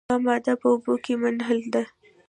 دا ماده په اوبو کې منحل ده.